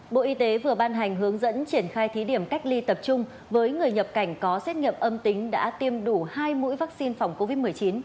bộ y tế vừa ban hành hướng dẫn triển khai thí điểm cách ly tập trung với người nhập cảnh có xét nghiệm âm tính đã tiêm đủ hai mũi vaccine phòng covid một mươi chín